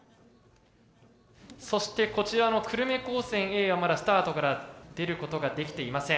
そしてこちらの久留米高専Ａはまだスタートから出ることができていません。